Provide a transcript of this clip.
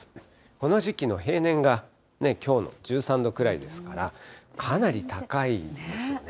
この時期の平年がきょうの１３度くらいですから、かなり高いんですよね。